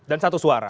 dan satu suara